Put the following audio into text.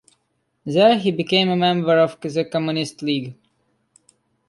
There he became a member of the Communist League.